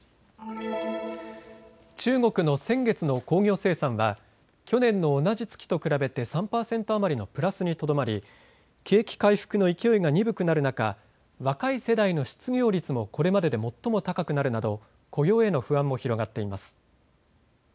中国の先月の工業生産は去年の同じ月と比べて３％余りのプラスにとどまり景気回復の勢いが鈍くなる中、若い世代の失業率もこれまでで最も高くなるなど雇用への不安も広がっています。